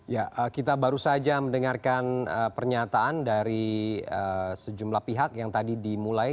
ya kita baru saja mendengarkan pernyataan dari sejumlah pihak yang tadi dimulai